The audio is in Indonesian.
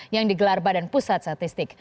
yang digelar badan pusat statistik